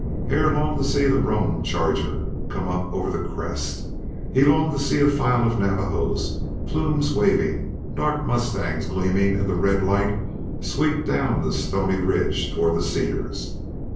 Hare longed to see the roan charger come up over the crest; he longed to see a file of Navajos, plumes waving, dark mustangs gleaming in the red light, sweep down the stony ridge toward the cedars.